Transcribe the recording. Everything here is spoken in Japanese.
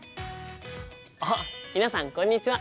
あっ皆さんこんにちは！